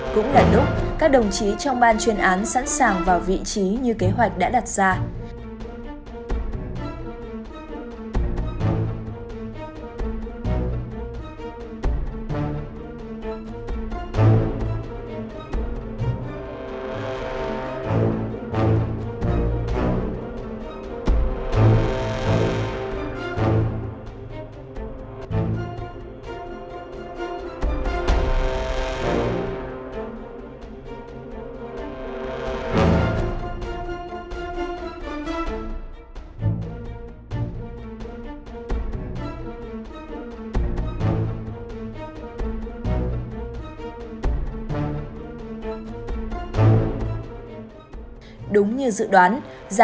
cũng đặt đốc các đồng chí trong ban chuyên án sẵn sàng vào vị trí như kế hoạch đã đặt ra